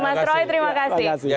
mas roy terima kasih